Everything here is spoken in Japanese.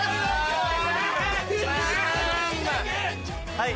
はい。